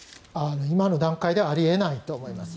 今の段階ではあり得ないと思います。